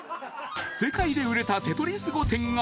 ［世界で売れた］